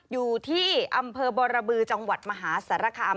อยู่ที่อำเภอบรบือจังหวัดมหาสารคาม